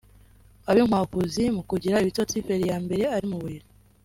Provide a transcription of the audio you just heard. ab’inkwakuzi mu kugira ibitotsi feri ya mbere ari mu buriri